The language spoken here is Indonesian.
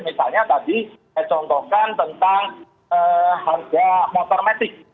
misalnya tadi saya contohkan tentang harga motor metik